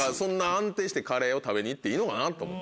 安定してカレーを食べに行っていいのかなと思って。